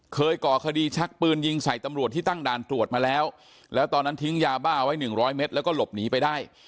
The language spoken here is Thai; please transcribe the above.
ก่อคดีชักปืนยิงใส่ตำรวจที่ตั้งด่านตรวจมาแล้วแล้วตอนนั้นทิ้งยาบ้าไว้หนึ่งร้อยเมตรแล้วก็หลบหนีไปได้